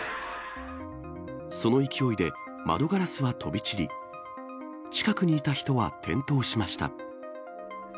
その勢いで、窓ガラスは飛び散り、近くにいた人は転倒しました。